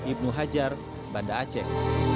ibnu hajar banda aceh